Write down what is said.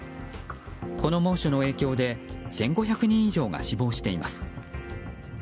この猛暑の影響で１５００人以上が死亡しています。